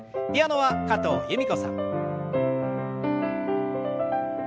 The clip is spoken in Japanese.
ピアノは加藤由美子さん。